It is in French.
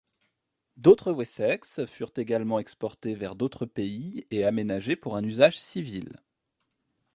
D'autres Wessex furent également exportés vers d'autres pays et aménagés pour un usage civil.